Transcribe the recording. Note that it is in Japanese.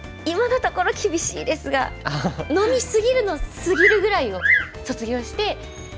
今のところ厳しいですが「飲み過ぎる」の「過ぎる」ぐらいを卒業して。